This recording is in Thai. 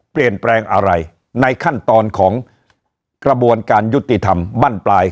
เปลี่ยนแปลงอะไรในขั้นตอนของกระบวนการยุติธรรมบั้นปลาย